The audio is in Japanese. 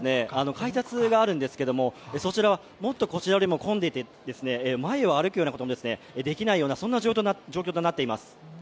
改札があるんですけれどもそちらはもっとこちらよりも混んでいて前を歩くこともできないような状況となっています。